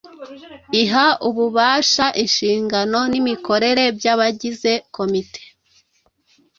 Iha Ububasha inshingano n’imikorere by’abagize komite